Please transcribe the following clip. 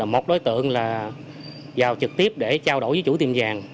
một đối tượng là vào trực tiếp để trao đổi với chủ tiệm vàng